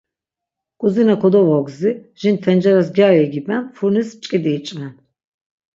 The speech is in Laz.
K̆uzina kodovogzi, jin tenceres gyari igiben, furnis mç̆k̆idi iç̆ven.